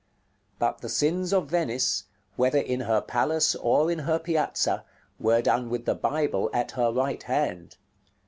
But the sins of Venice, whether in her palace or in her piazza, were done with the Bible at her right hand.